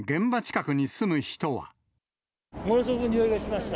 ものすごく臭いがしました。